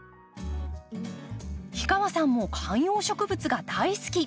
氷川さんも観葉植物が大好き。